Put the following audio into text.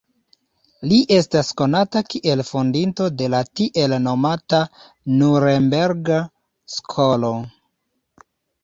Li estas konata kiel fondinto de la tiel nomata Nurenberga Skolo.